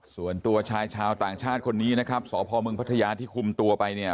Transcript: ส่วนตัวชายชาวต่างชาติคนนี้นะครับสพมพัทยาที่คุมตัวไปเนี่ย